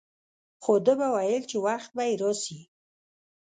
خو ده به ويل چې وخت به يې راسي.